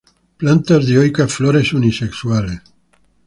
Plantas dioicas; flores unisexuales.